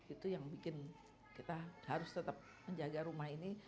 itu yang bikin kita harus tetap menjaga rumah ini